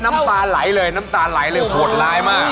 เอาจริงเลยวันนี้น้ำตาไหลเลยโหดร้ายมาก